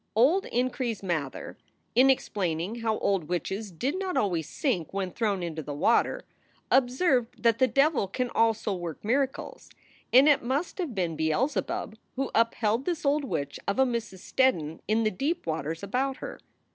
Old Increase Mather, in explaining how old witches did not always sink when thrown into the water, observed that the devil can also work miracles, and it must have been Beelzebub who upheld this old witch of a Mrs. Steddon in the deep waters about her.